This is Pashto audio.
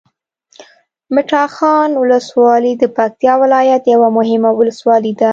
مټاخان ولسوالي د پکتیکا ولایت یوه مهمه ولسوالي ده